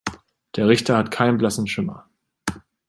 Der Richter hat keinen blassen Schimmer.